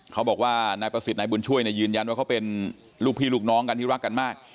เขาบอกว่านายประสิทธิ์นายบุญช่วยยืนยันว่าเขาเป็นลูกพี่ลูกน้องกันที่รักกันมาก